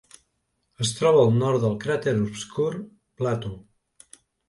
Es troba al nord del cràter obscur Plato.